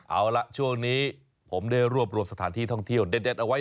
เอาล่ะช่วงนี้ผมได้รวบรวมสถานที่ท่องเที่ยวเด็ดเอาไว้